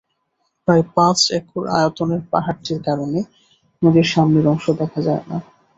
প্রায় পাঁচ একর আয়তনের পাহাড়টির কারণে নদীর সামনের অংশ দেখা যায় না।